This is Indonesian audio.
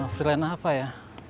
freelance apa ya